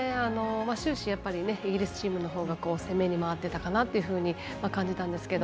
終始、イギリスチームのほうが攻めに回ってたかなと感じたんですけど。